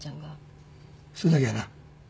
それだけやな？